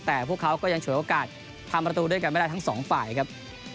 แต่พวกเขาก็ยังฉวยโอกาสทำประตูด้วยกันไม่ได้ทั้งสองฝ่ายครับ